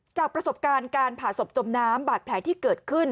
จากประสบการณ์การผ่าศพจมน้ำบาดแผลที่เกิดขึ้น